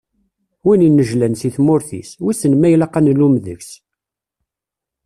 Win inejlan si tmurt-is, wissen ma ilaq ad nlum deg-s?